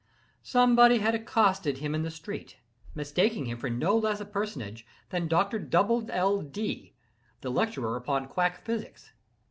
Somebody had accosted him in the street, mistaking him for no less a personage than Doctor Dubble L. Dee, the lecturer upon quack physics.